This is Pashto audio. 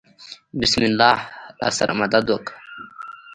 بس الله راسره مدد وکو.